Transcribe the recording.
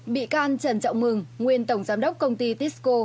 ba bị can trần trọng mừng nguyên tổng giám đốc công ty tesco